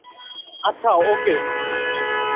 আচ্ছা, ওকে।